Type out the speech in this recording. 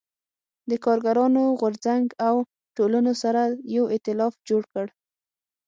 د کارګرانو غو رځنګ او ټولنو سره یو اېتلاف جوړ کړ.